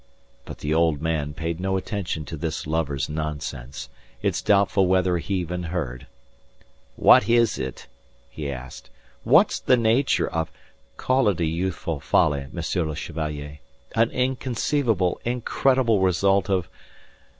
But the old man paid no attention to this lover's nonsense. It's doubtful whether he even heard. "What is it?" he asked. "What's the nature of..." "Call it a youthful folly, Monsieur le Chevalier. An inconceivable, incredible result of..."